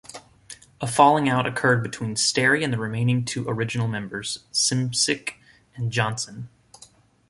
A falling-out occurred between Sterry and the remaining two original members Simcic and Johnson.